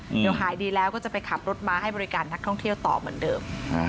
เดี๋ยวหายดีแล้วก็จะไปขับรถมาให้บริการนักท่องเที่ยวต่อเหมือนเดิม